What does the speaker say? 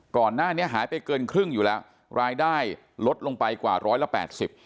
ก่อนหน้านี้หายไปเกินครึ่งอยู่แล้วรายได้ลดลงไปกว่าร้อยละแปดสิบ